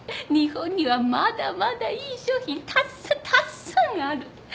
日本にはまだまだいい商品たっさんたっさんある。